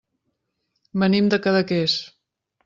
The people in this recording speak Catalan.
Venim de Cadaqués.